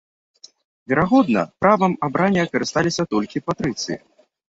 Верагодна, правам абрання карысталіся толькі патрыцыі.